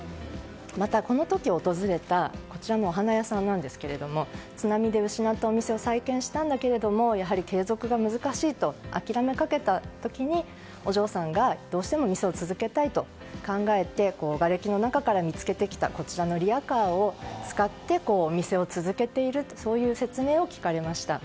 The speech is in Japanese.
また、この時訪れたこちらのお花屋さんですが津波で失ったお店を再建したんだけれどもやはり継続が難しいと諦めかけた時に、お嬢さんがどうしても店を続けたいと考えてがれきの中から見つけてきたリヤカーを使ってお店を続けているそういう説明を聞かれました。